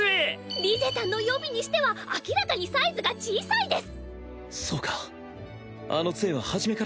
リゼたんの予備にしては明らかにサイズが小さいです。